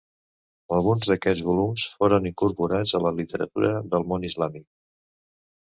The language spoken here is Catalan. Alguns d'aquests volums foren incorporats a la literatura del món islàmic.